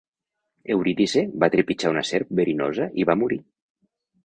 Eurídice va trepitjar una serp verinosa i va morir.